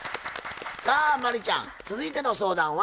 さあ真理ちゃん続いての相談は？